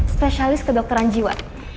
spesialis kedokteran jiwa